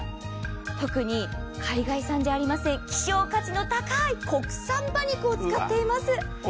特に海外産じゃありません、希少価値の高い国産馬肉を使っています。